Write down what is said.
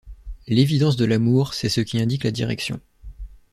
L'évidence de l'amour, c'est ce qui indique la direction.